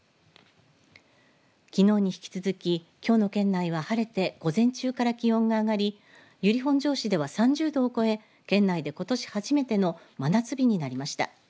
きのうに引き続ききょうの県内は晴れて午前中から気温が上がり由利本荘市では３０度を超え県内で、ことし初めての真夏日になりました。